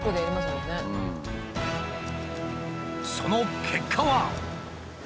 その結果は。